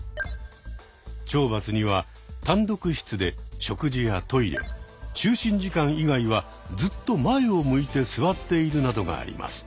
懲罰には単独室で食事やトイレ就寝時間以外はずっと前を向いて座っているなどがあります。